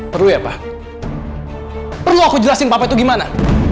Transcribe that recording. perlu ya pak perlu aku jelasin papa itu gimana